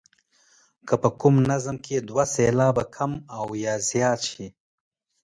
که په کوم نظم کې دوه سېلابه کم او یا زیات شي.